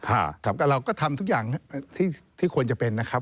ครับก็เราก็ทำทุกอย่างที่ที่ควรจะเป็นนะครับ